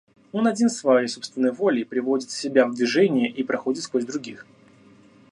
Он один своей собственной волей приводит себя в движение и проходит сквозь других.